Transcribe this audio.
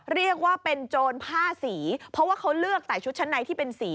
เรียกว่าเป็นโจรผ้าสีเพราะว่าเขาเลือกใส่ชุดชั้นในที่เป็นสี